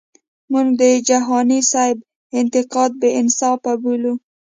مونږ د جهانی سیب انتقاد بی انصافه بولو.